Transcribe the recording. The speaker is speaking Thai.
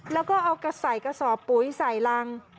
แล้วก็เอากระใส่กระสอบปุ๋ยใส่รัง